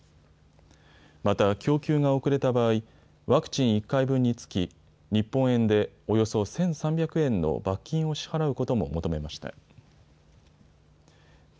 また供給が遅れた場合、ワクチン１回分につき、日本円でおよそ１３００円の罰金を支払うことも求めました。